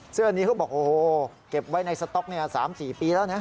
เสื้อนี้เขาบอกโอ้โหเก็บไว้ในสต๊อก๓๔ปีแล้วนะ